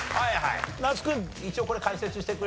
那須君一応これ解説してくれる？